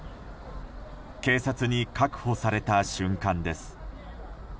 警察に確保された瞬間です。